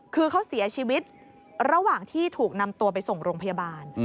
คือเขาเสียชีวิตระหว่างที่ถูกนำตัวไปส่งโรงพยาบาล